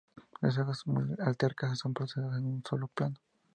Las hojas son alternas y son producidas en un solo plano.